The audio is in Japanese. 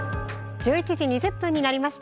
１１時２０分になりました。